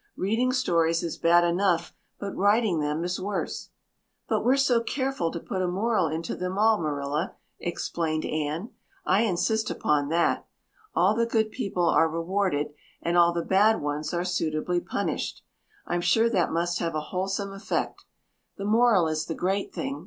Reading stories is bad enough but writing them is worse." "But we're so careful to put a moral into them all, Marilla," explained Anne. "I insist upon that. All the good people are rewarded and all the bad ones are suitably punished. I'm sure that must have a wholesome effect. The moral is the great thing.